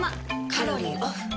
カロリーオフ。